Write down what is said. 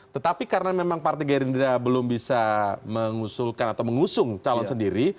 tetapi karena memang partai gerindra belum bisa mengusulkan atau mengusung calon sendiri